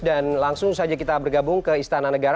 dan langsung saja kita bergabung ke istana negara